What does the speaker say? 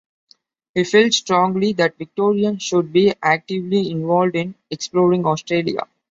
He felt strongly that Victorians should be actively involved in exploring Australia.